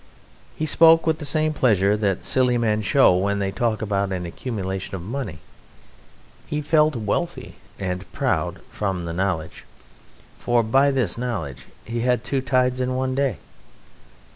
He spoke with the same pleasure that silly men show when they talk about an accumulation of money. He felt wealthy and proud from the knowledge, for by this knowledge he had two tides in one day.